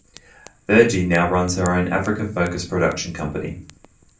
Verjee now runs her own Africa focused production company.